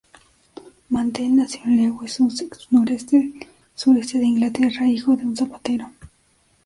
Mantell nació en Lewes, Sussex —sureste de Inglaterra—, hijo de un zapatero.